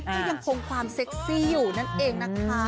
ก็ยังคงความเซ็กซี่อยู่นั่นเองนะคะ